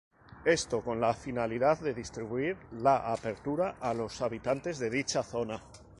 Esto con la finalidad de distribuir la apertura a los habitantes de dicha zona.